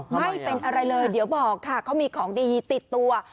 ไม่เป็นอะไรเลยเดี๋ยวบอกค่ะเขามีของดีติดตัว